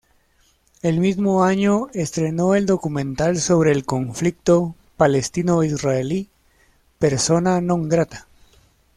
El mismo año estrenó el documental sobre el conflicto palestino-israelí, "Persona non grata".